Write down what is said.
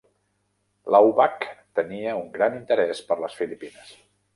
Laubach tenia un gran interès per les Filipines.